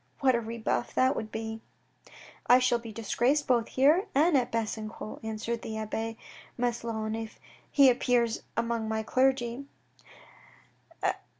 What a rebuff that would be ?" I shall be disgraced both here and at Besancon," answered the abbe Maslon if he appears among my clergy.